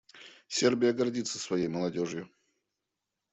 Сербия гордится своей молодежью.